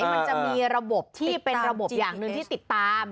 มันจะมีระบบที่เป็นระบบอย่างหนึ่งที่ติดตาม